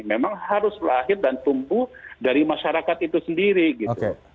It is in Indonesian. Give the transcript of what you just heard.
memang harus lahir dan tumbuh dari masyarakat itu sendiri gitu